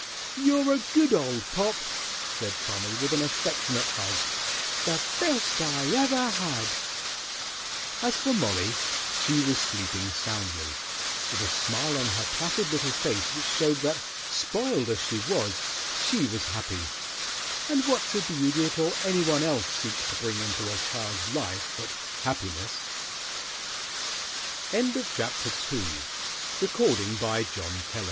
"You're a good old pop!" said Tommy, with an affectionate hug. "The best I ever had!" As for Mollie, she was sleeping soundly, with a smile on her placid little face which showed that, "spoiled" as she was, she was happy; and what should the Idiot or any one else seek to bring into a child's life but happine